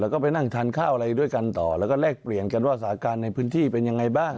แล้วก็ไปนั่งทานข้าวอะไรด้วยกันต่อแล้วก็แลกเปลี่ยนกันว่าสาการในพื้นที่เป็นยังไงบ้าง